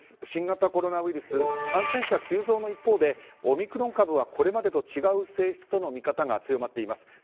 新型コロナウイルス感染者急増の一方でオミクロン株はこれまでと違う性質との見方が強まっています。